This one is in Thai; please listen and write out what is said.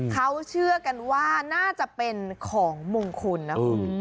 เขาเชื่อกันว่าน่าจะเป็นของมงคลนะคุณ